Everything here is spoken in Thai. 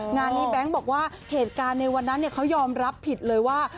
งานนี้แบงค์บอกว่าเหตุการณ์ในวันนั้นเขายอมรับผิดเลยว่า